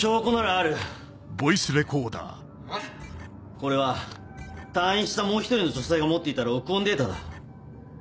これは退院したもう１人の女性が持っていた録音データだ。